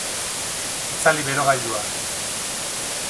Itzali berogailua.